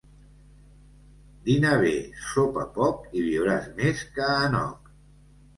Dina bé, sopa poc, i viuràs més que Enoc.